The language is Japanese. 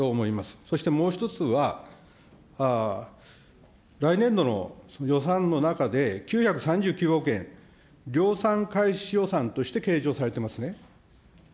そしてもう一つは、来年度の予算の中で、９３９億円、量産開始予算として計上されてますね。